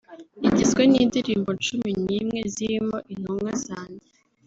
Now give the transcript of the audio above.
igizwe n’indirimbo cumi n’imwe zirimo “Intumwa Zanjye